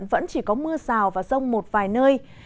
vẫn chỉ có mưa rào và rông một vài nơi